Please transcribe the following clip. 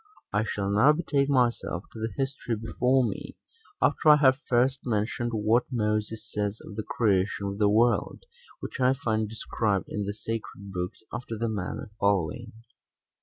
I shall now betake myself to the history before me, after I have first mentioned what Moses says of the creation of the world, which I find described in the sacred books after the manner following.